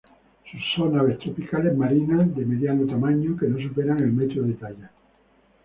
Son aves tropicales marinas de mediano tamaño que no superan el metro de talla.